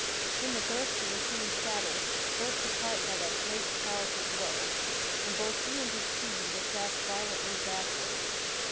Then the girths of the King's saddle burst apart by that great, pow erful blow, and both he and his steed were cast violently backward.